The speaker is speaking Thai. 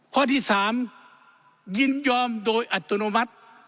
ข้อที่๓ยินยอมโดยอัตโนมัติ